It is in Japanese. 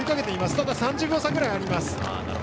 ただ３０秒差くらいあります。